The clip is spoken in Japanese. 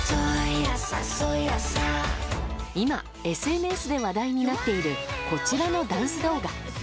今、ＳＮＳで話題になっているこちらのダンス動画。